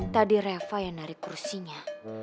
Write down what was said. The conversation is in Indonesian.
tadi reva yang narik kursinya